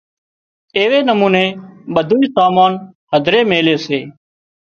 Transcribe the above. ايوي نموني ٻڌونئين سامان هڌري ميلي سي